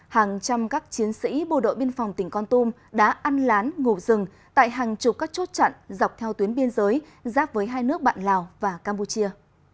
hàng trăm các chiến sĩ bộ đội biên phòng tỉnh con tum đã ăn lán ngủ rừng tại hàng chục các chốt chặn dọc theo tuyến biên giới giáp với hai nước bạn lào và campuchia